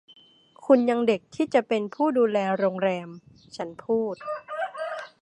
คุณยังเด็กที่จะเป็นผู้ดูแลโรงแรม” ฉันพูด